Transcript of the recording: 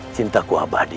cinta aku abadi